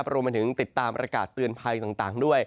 รวมถึงติดตามอรรากาศเตือนไพรต่าง